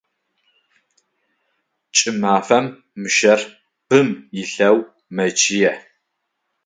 Кӏымафэм мышъэр бым илъэу мэчъые.